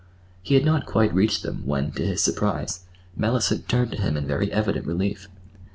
He had not quite reached them when, to his surprise, Mellicent turned to him in very evident relief.